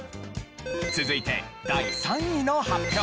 続いて第３位の発表。